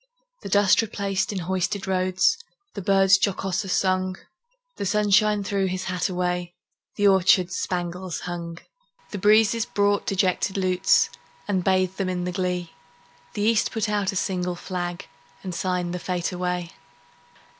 The dust replaced in hoisted roads, The birds jocoser sung; The sunshine threw his hat away, The orchards spangles hung. The breezes brought dejected lutes, And bathed them in the glee; The East put out a single flag, And signed the fete away.